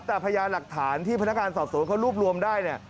แต่พญานหลักฐานที่พนักการสอบสรุนเขารูปรวมได้